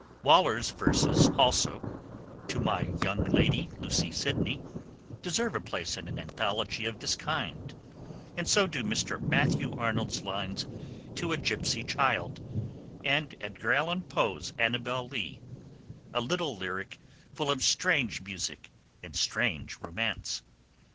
Waller's verses also, To My Young Lady Lucy Sidney, deserve a place in an anthology of this kind, and so do Mr. Matthew Arnold's lines To a Gipsy Child, and Edgar Allan Poe's Annabel Lee, a little lyric full of strange music and strange romance.